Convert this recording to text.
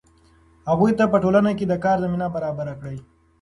هغوی ته په ټولنه کې د کار زمینه برابره کړئ.